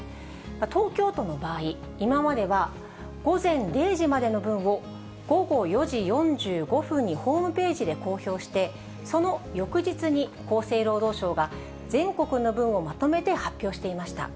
東京都の場合、今までは、午前０時までの分を、午後４時４５分にホームページで公表して、その翌日に厚生労働省が全国の分をまとめて発表していました。